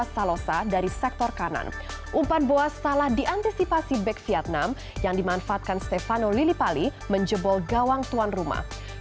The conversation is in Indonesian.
sore mendarat di bandara